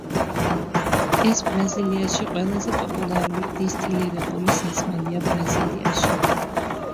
ეს ბრაზილიაში ყველაზე პოპულარული დისტილირებული სასმელია ბრაზილიაში.